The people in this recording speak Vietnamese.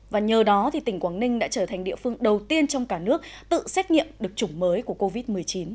và nhờ đó tỉnh quảng ninh đã trở thành địa phương đầu tiên trong cả nước tự xét nghiệm được chủng mới của covid một mươi chín